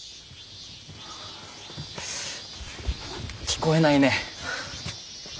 聞こえないね。